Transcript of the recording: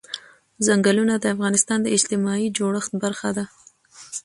ځنګلونه د افغانستان د اجتماعي جوړښت برخه ده.